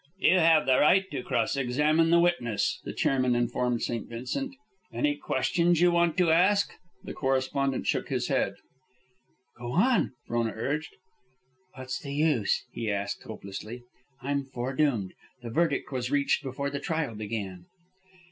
"You have the right to cross examine the witness," the chairman informed St. Vincent. "Any questions you want to ask?" The correspondent shook his head. "Go on," Frona urged. "What's the use?" he asked, hopelessly. "I'm fore doomed. The verdict was reached before the trial began."